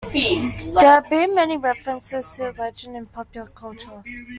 There have been many references to the legend in popular culture.